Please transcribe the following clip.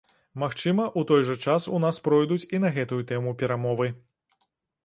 Магчыма, у той жа час у нас пройдуць і на гэтую тэму перамовы.